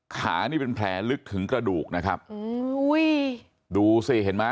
ขานี่เป็นแผลลึกถึงกระดูกนะครับอุ้ยดูสิเห็นไหม